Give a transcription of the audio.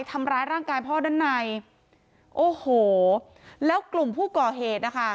ทำร้ายร่างกายพ่อด้านในโอ้โหแล้วกลุ่มผู้ก่อเหตุนะคะ